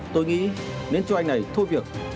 tôi nghĩ nên cho anh này thôi việc